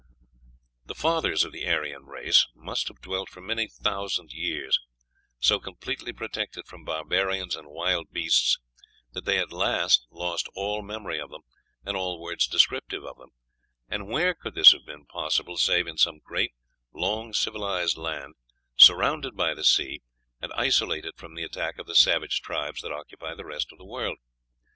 The fathers of the Aryan race must have dwelt for many thousand years so completely protected from barbarians and wild beasts that they at last lost all memory of them, and all words descriptive of them; and where could this have been possible save in some great, long civilized land, surrounded by the sea, and isolated from the attack of the savage tribes that occupied the rest of the world?